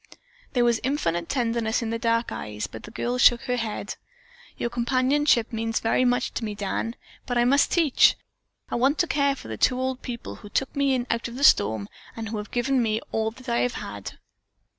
There was infinite tenderness in the dark eyes, but the girl shook her head. "Your companionship means very much to me, Dan, but I must teach. I want to care for the two old people who took me in out of the storm and who have given me all that I have had."